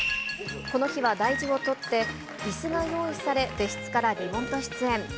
この日は大事を取って、いすが用意され、別室からリモート出演。